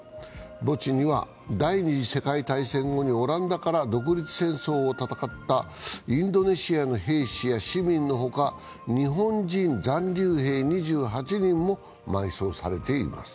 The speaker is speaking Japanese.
墓地には第二次世界大戦後にオランダから独立戦争を戦ったインドネシアの兵士や市民のほか、日本人残留兵２８人も埋葬されています。